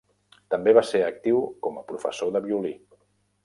També va ser actiu com a professor de violí.